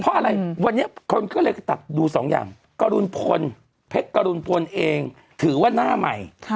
เพราะอะไรวันนี้คนก็เลยตัดดูสองอย่างกรุณพลเพชรกรุณพลเองถือว่าหน้าใหม่